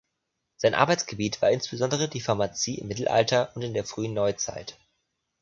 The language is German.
Sein Arbeitsgebiet war insbesondere die Pharmazie im Mittelalter und in der frühen Neuzeit.